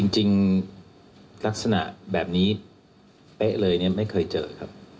จริงลักษณะแบบนี้เป๊ะเลยเนี่ยไม่เคยเจอครับ